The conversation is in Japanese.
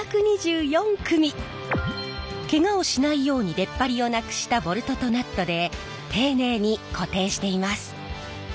ケガをしないように出っ張りをなくしたボルトとナットで丁寧に固定しています。